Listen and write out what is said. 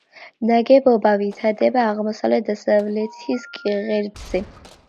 ნაგებობა ვითარდება აღმოსავლეთ-დასავლეთის ღერძზე.